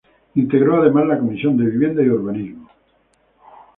Integró además la Comisión de Vivienda y Urbanismo.